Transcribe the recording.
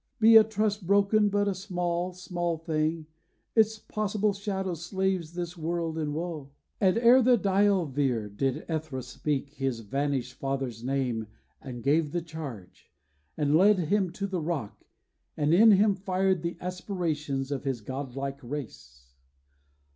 Be a trust broken but a small, small thing, Its possible shadow slaves this world in woe.' And ere the dial veered, did Æthra speak His vanished father's name and gave the charge, And led him to the rock, and in him fired The aspirations of his godlike race.